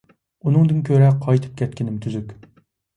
ئۇنىڭدىن كۆرە قايتىپ كەتكىنىم تۈزۈك.